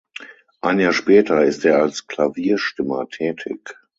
Ein Jahr später ist er als Klavierstimmer tätig.